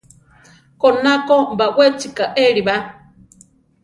Koná ko baʼwechi kaéli ba.